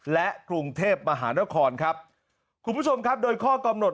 และกรุงเทพมหานครครับคุณผู้ชมครับโดยข้อกำหนด